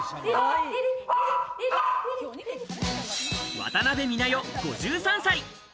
渡辺美奈代、５３歳。